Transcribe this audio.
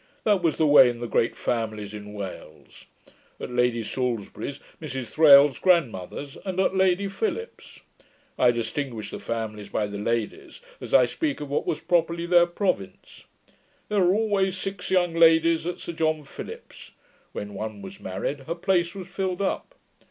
That was the way in the great families in Wales; at Lady Salisbury's, Mrs Thrale's grandmother, and at Lady Philips's. I distinguish the families by the ladies, as I speak of what was properly their province. There were always six young ladies at Sir John Philips's: when one was married, her place was filled up.